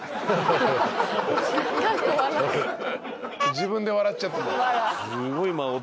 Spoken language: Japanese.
自分で笑っちゃって。